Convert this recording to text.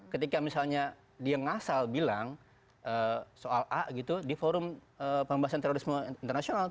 ketika misalnya dia ngasal bilang soal a gitu di forum pembahasan terorisme internasional